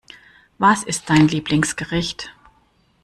Was ist dein Lieblingsgericht?